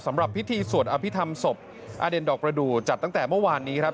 สำหรับพิธีสวดอภิษฐรรมศพอเด่นดอกประดูกจัดตั้งแต่เมื่อวานนี้ครับ